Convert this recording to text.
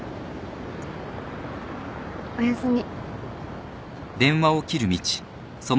おやすみ。